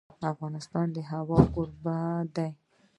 افغانستان د هوا کوربه دی.